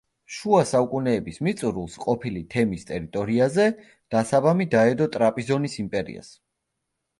შუა საუკუნეების მიწურულს, ყოფილი თემის ტერიტორიაზე, დასაბამი დაედო ტრაპიზონის იმპერიას.